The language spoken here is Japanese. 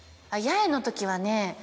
『八重』のときはね